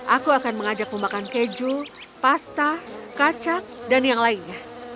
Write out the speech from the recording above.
aku akan mengajakmu makan keju pasta kacang dan yang lainnya